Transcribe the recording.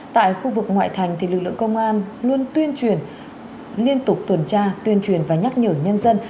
tại khu vực ngoại thành lực lượng công an luôn tuyên truyền liên tục tuần tra tuyên truyền và nhắc nhở nhân dân